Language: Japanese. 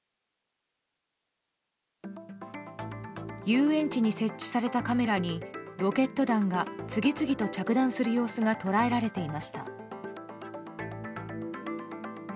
遊園地に設置されたカメラにロケット弾が次々と着弾する様子が捉えられていました。